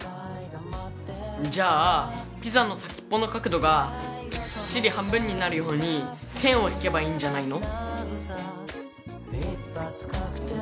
じゃあピザの先っぽの角度がきっちり半分になるように線を引けばいいんじゃないの？